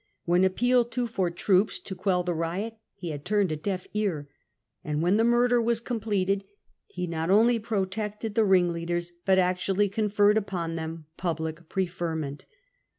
When appealed to for troops to quell the riot he had turned a deaf ear, and when the murder was completed he not only protected the ringleaders, but actually conferred upon them public preferment.